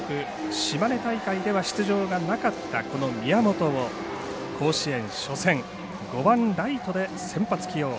島根大会では出場がなかった宮本を甲子園初戦、５番ライトで先発起用。